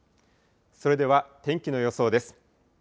それでは天気の予想です。